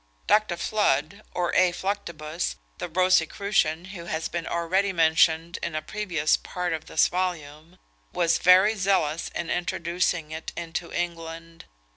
Dr. Fludd, or A. Fluctibus, the Rosicrucian, who has been already mentioned in a previous part of this volume, was very zealous in introducing it into England.